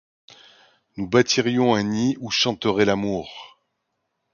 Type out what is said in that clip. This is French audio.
Nous bâtirions un nid où chanterait l'amour !